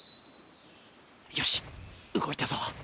よし動いたぞ！